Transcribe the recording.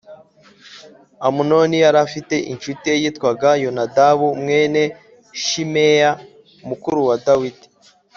Amunoni yari afite incuti ye yitwaga Yonadabu mwene Shimeya mukuru wa Dawidi